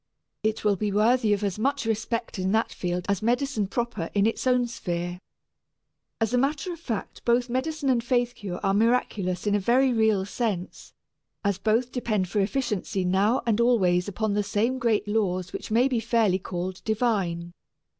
It will be worthy of as much respect in that field as medicine proper in its own sphere. As a matter of fact both medicine and faith cure are miraculous in a very real sense, as both depend for efficiency now and always upon the same great laws which may be fairly called divine.